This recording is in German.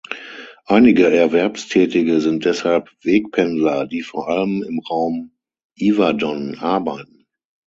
Einige Erwerbstätige sind deshalb Wegpendler, die vor allem im Raum Yverdon arbeiten.